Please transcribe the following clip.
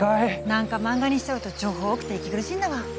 なんか漫画にしちゃうと情報多くて息苦しいんだわ。